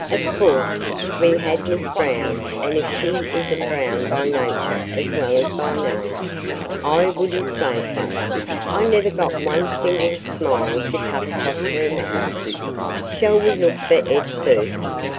Of course, we had Miss Brown, and if she isn't Brown by nature as well as by name. I wouldn't say so. I never got one single smile to cut across her map." "Shall we look for Ed first?"